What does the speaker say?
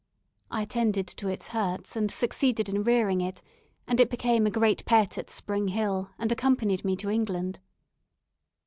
I attended to its hurts, and succeeded in rearing it, and it became a great pet at Spring Hill, and accompanied me to England.